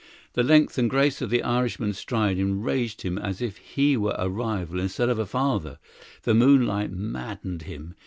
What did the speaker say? The length and grace of the Irishman's stride enraged him as if he were a rival instead of a father; the moonlight maddened him.